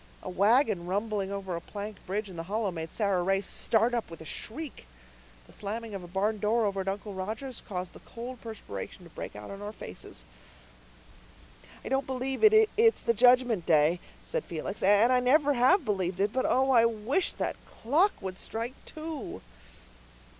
A wagon rumbling over a plank bridge in the hollow made Sara Ray start up with a shriek. The slamming of a barn door over at Uncle Roger's caused the cold perspiration to break out on our faces. "I don't believe it's the Judgment Day," said Felix, "and I never have believed it. But oh, I wish that clock would strike two."